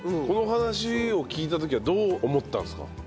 この話を聞いた時はどう思ったんですか？